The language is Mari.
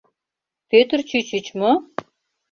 Пӧтыр чӱчӱч мо?